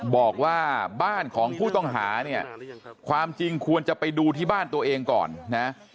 บอกว่าบ้านของผู้ต้องหาเนี่ยความจริงควรจะไปดูที่บ้านตัวเองก่อนนะ